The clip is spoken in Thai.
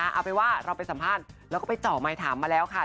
เอาไปว่าเราไปสัมภาษณ์แล้วก็ไปต่อมายถามมาแล้วค่ะ